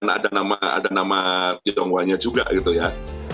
jadi ada nama nama tionghoanya juga gitu ya